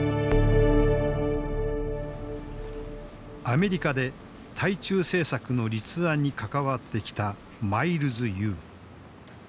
アメリカで対中政策の立案に関わってきた余茂春。